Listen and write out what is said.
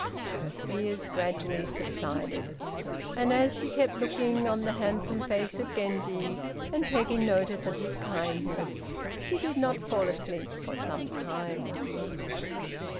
Her fears gradually subsided, and as she kept looking on the handsome face of Genji, and taking notice of his kindness, she did not fall asleep for some time.